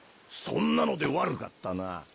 そんなので悪かったな。